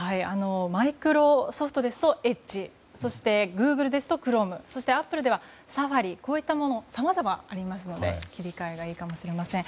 マイクロソフトですとエッジそしてグーグルですとクロームそしてアップルではサファリこういったものさまざまありますので切り替えがいいかもしれません。